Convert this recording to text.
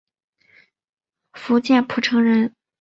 福建浦城人。